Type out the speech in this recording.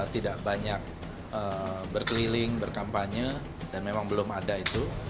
tidak banyak berkeliling berkampanye dan memang belum ada itu